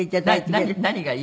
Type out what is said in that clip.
何がいい？